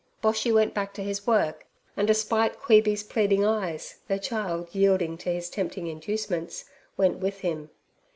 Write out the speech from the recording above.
Boshy went back to his work, and despite Queeby's pleading eyes, the child yielding to his tempting inducements, went with him.